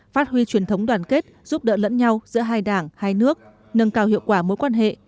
phát huy truyền thống đoàn kết giúp đỡ lẫn nhau giữa hai đảng hai nước nâng cao hiệu quả mối quan hệ